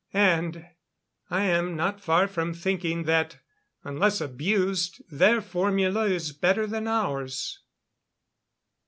And I am not far from thinking that unless abused, their formula is better than ours.